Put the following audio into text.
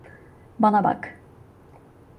Bana bak!